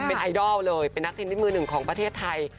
เป็นไอดอลเลยเป็นนักเทนนิสมือหนึ่งของประเทศไทย